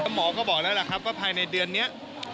หมอก็บอกแล้วล่ะครับว่าภายในเดือนนี้